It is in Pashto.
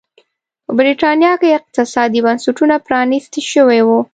په برېټانیا کې اقتصادي بنسټونه پرانيستي شوي وو.